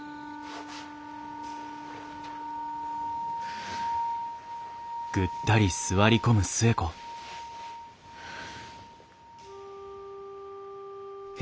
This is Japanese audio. はあ。はあ。